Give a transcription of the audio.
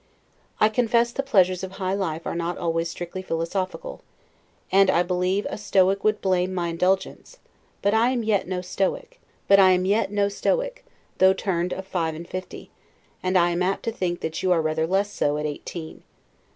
I confess the pleasures of high life are not always strictly philosophical; and I believe a Stoic would blame, my indulgence; but I am yet no Stoic, though turned of five and fifty; and I am apt to think that you are rather less so, at eighteen.